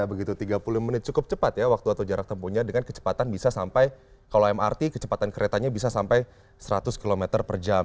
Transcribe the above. begitu tiga puluh menit cukup cepat ya waktu atau jarak tempuhnya dengan kecepatan bisa sampai kalau mrt kecepatan keretanya bisa sampai seratus km per jam